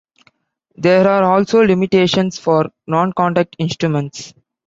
There are also limitations for non-contact instruments.